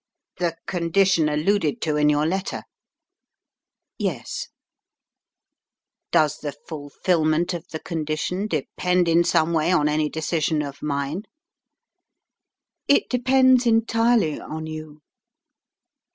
"The condition alluded to in your letter?" "Yes." "Does the fulfilment of the condition depend in some way on any decision of mine?" "It depends entirely on you."